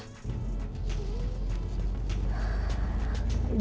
jadi ini tidur dalam kondisi jalan ya